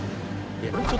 えっ！？